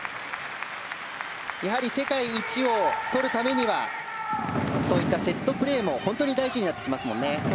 やはり世界一をとるためにはそういったセットプレーも本当に大事になってきますもんね。